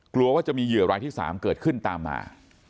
กลัวว่าจะมีเหยื่อรายที่๓เกิดขึ้นตามมา